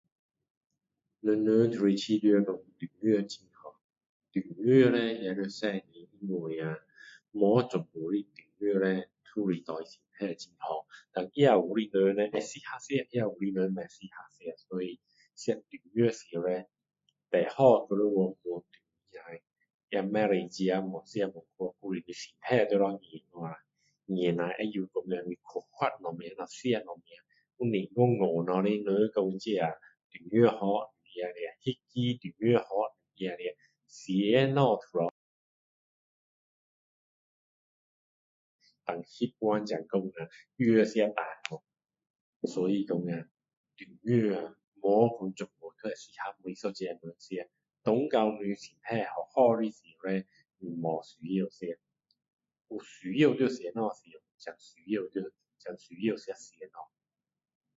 人人都是觉得中药很好中药叻也要小心因为啊没全部的中药叻对身体很好胆也有的人叻会适合吃也有的人不适合吃所以吃中药时叻最好还要去问中医下不可以自己随便吃还是身体要去验一下验一下会知道方法什么吃什么不是笨笨的人说这中药好就吃那个中药好也吃胆什么都胆那时才说吃错掉所以说啊中药啊没有说都很适合给每一个人吃到你身体好好时叻不需要吃有需要到什么时才需要到才需要吃什么